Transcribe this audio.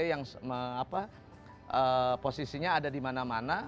yang posisinya ada di mana mana